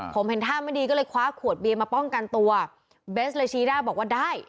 ผมเห็นท่าไม่ดีก็เลยคว้าขวดเบียร์มาป้องกันตัวเบสเลยชี้ได้บอกว่าได้